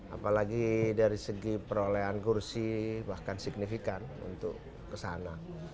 apalagi dari segi perolehan kursi bahkan signifikan untuk kesana